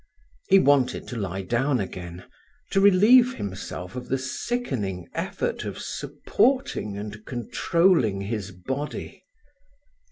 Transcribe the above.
He wanted to lie down again, to relieve himself of the sickening effort of supporting and controlling his body.